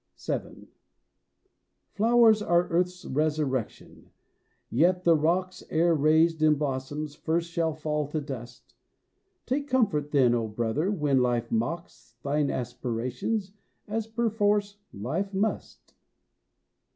VII. Flowers are earth's resurrection, yet the rocks, Ere raised in blossoms, first shall fall to dust. Take comfort, then, O brother, when life mocks Thine aspirations, as perforce life must.